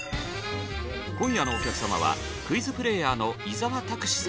今夜のお客様はクイズプレーヤーの伊沢拓司様。